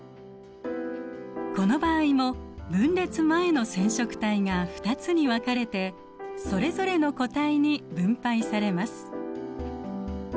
この場合も分裂前の染色体が２つに分かれてそれぞれの個体に分配されます。